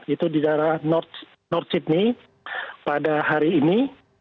itu di daerah nort sydney pada hari ini